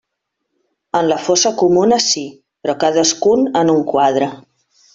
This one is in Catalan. En la fossa comuna sí, però cadascun en un quadre.